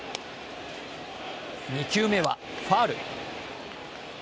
２球目はファウル。